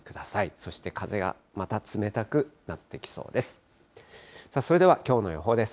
そして風がまた冷たくなってきそうです。